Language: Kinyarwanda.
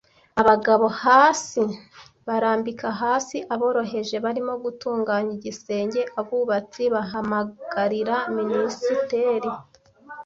Abagabo-hasi barambika hasi, aboroheje barimo gutunganya igisenge, abubatsi bahamagarira minisiteri,